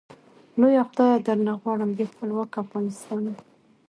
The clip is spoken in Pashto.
لويه خدايه درنه غواړم ، بيا خپلوک افغانستان مي